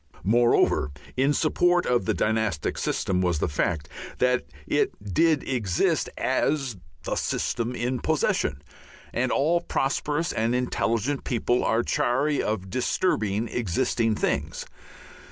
Moreover in support of the dynastic system was the fact that it did exist as the system in possession, and all prosperous and intelligent people are chary of disturbing existing things.